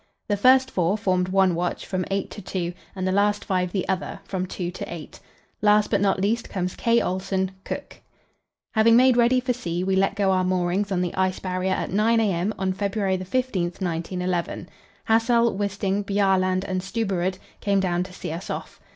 The first four formed one watch, from eight to two, and the last five the other, from two to eight. Last, but not least, comes K. Olsen, cook. Having made ready for sea, we let go our moorings on the Ice Barrier at 9 a.m. on February 15, 1911. Hassel, Wisting, Bjaaland, and Stubberud came down to see us off.